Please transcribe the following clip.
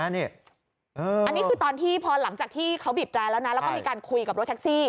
อันนี้คือตอนที่พอหลังจากที่เขาบีบแตรแล้วนะแล้วก็มีการคุยกับรถแท็กซี่